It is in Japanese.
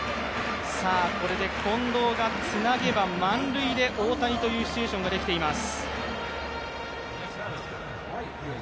これで近藤がつなげば満塁で大谷というシチュエーションができています。